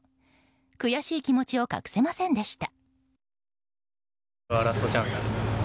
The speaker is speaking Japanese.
悔しい気持ちを隠せませんでした。